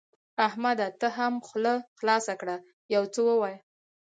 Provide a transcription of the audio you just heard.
احمده ته هم خوله خلاصه کړه؛ يو څه ووايه.